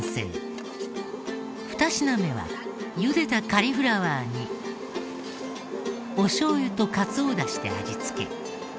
２品目はゆでたカリフラワーにおしょう油とかつおダシで味付け。